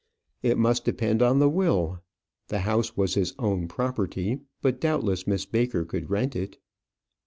"It must depend on the will. The house was his own property; but, doubtless, Miss Baker could rent it."